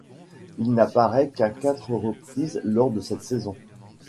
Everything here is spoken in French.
Il n'apparaît qu'à quatre reprise lors de cette saison.